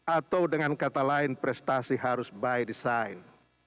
atau dengan kata lain prestasi harus by design